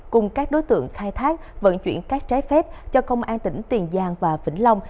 cùng các đối tượng khai thác vận chuyển các trái phép cho công an tỉnh tiền giang và vĩnh long